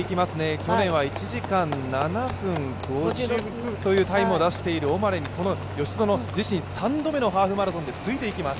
去年は１時間７分台を出しているオマレに吉薗、自身３度目のハーフマラソンでついていきます。